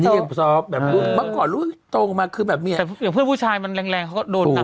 นี่อย่างสอบแบบเมื่อก่อนโดนขึ้นมาแต่เพื่อนผู้ชายมันแรงเขาก็โดนนัดเป็นเอง